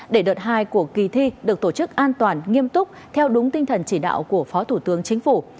để đợt hai của kỳ thi được tổ chức an toàn nghiêm túc theo đúng tinh thần chỉ đạo của phó thủ tướng chính phủ